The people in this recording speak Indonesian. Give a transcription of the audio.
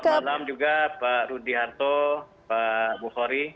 selamat malam juga pak rudi harto pak buhori